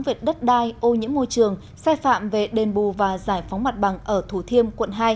về đất đai ô nhiễm môi trường sai phạm về đền bù và giải phóng mặt bằng ở thủ thiêm quận hai